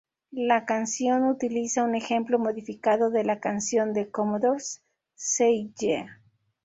La canción utiliza un ejemplo modificado de la canción de Commodores, "Say Yeah".